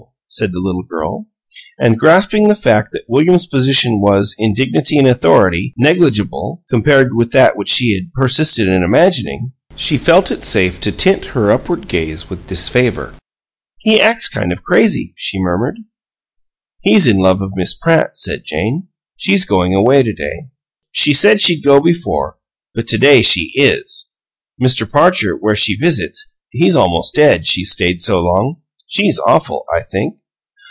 said the little girl, and, grasping the fact that William's position was, in dignity and authority, negligible, compared with that which she had persisted in imagining, she felt it safe to tint her upward gaze with disfavor. "He acts kind of crazy," she murmured. "He's in love of Miss Pratt," said Jane. "She's goin' away to day. She said she'd go before, but to day she IS! Mr. Parcher, where she visits, he's almost dead, she's stayed so long. She's awful, I think."